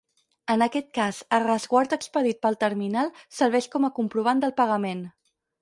En aquest cas, el resguard expedit pel terminal serveix com a comprovant del pagament.